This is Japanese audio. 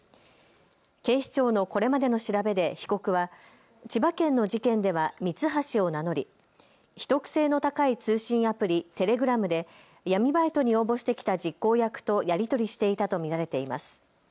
警視庁のこれまでの調べで被告は千葉県の事件ではミツハシを名乗り秘匿性の高い通信アプリ、テレグラムで闇バイトに応募してきた実行役とやり取りしていたと見られています。